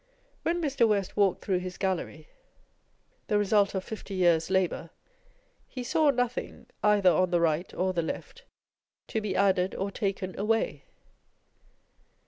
When Mr. West walked through his gallery, the result On Hie Old Age of Artists. 129 of fifty years' labour, he saw nothing, either on the right or the left, to be added or taken away.